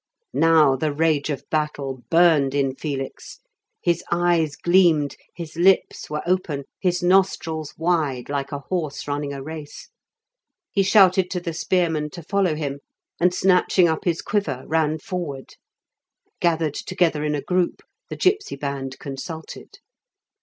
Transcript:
Now the rage of battle burned in Felix; his eyes gleamed, his lips were open, his nostrils wide like a horse running a race. He shouted to the spearmen to follow him, and snatching up his quiver ran forward. Gathered together in a group, the gipsy band consulted.